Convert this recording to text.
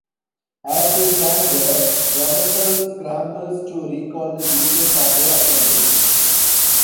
As they stand there, Leventhal scrambles to recall the details of their acquaintance.